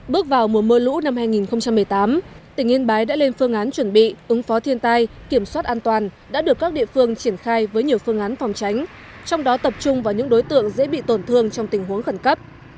bước vào mùa mưa lũ năm hai nghìn một mươi tám tỉnh yên bái đã lên phương án chuẩn bị ứng phó thiên tai kiểm soát an toàn đã được các địa phương triển khai với nhiều phương án phòng tránh trong đó tập trung vào những đối tượng dễ bị tổn thương trong tình huống khẩn cấp